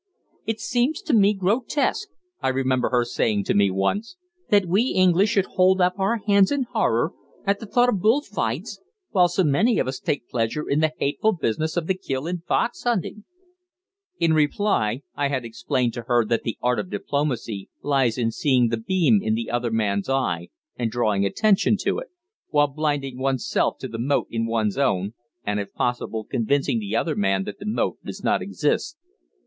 "It seems to me grotesque," I remember her saying to me once, "that we English should hold up our hands in horror at the thought of bull fights, while so many of us take pleasure in the hateful business of the kill in fox hunting." In reply I had explained to her that the art of diplomacy lies in seeing the beam in the other man's eye and drawing attention to it, while blinding oneself to the mote in one's own, and if possible convincing the other man that the mote does not exist.